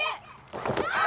ああ！